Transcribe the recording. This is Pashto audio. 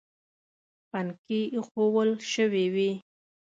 پنکې ایښوول شوې وې.